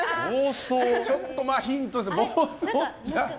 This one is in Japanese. ちょっとヒントですね。